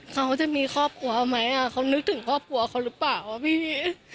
เขาจะมีครอบครัวไหมเขานึกถึงครอบครัวเขาหรือเปล่าว่าพี่